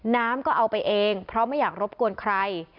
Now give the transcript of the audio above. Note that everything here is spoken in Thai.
น้ำก็เอาไปเองเพราะไม่อยากรบกวนใคร